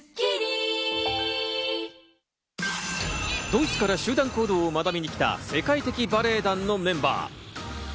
ドイツから集団行動を学びに来た世界的バレエ団のメンバー。